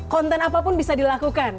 konten apapun bisa dilakukan